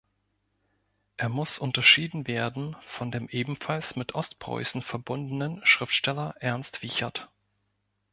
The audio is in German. Er muss unterschieden werden von dem ebenfalls mit Ostpreußen verbundenen Schriftsteller Ernst Wiechert.